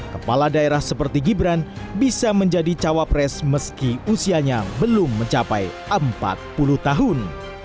kepala daerah seperti gibran bisa menjadi cawapres meski usianya belum mencapai empat puluh tahun